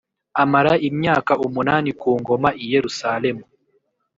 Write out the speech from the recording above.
amara imyaka umunani ku ngoma i Yerusalemu